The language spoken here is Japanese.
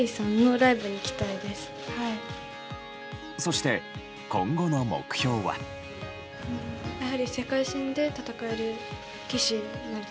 そして、今後の目標は。